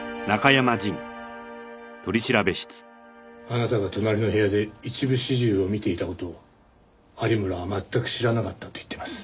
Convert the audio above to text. あなたが隣の部屋で一部始終を見ていた事を有村は全く知らなかったと言っています。